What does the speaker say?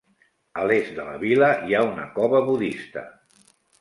A l'est de la vila hi ha una cova budista.